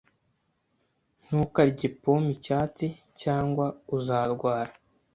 Ntukarye pome icyatsi cyangwa uzarwara.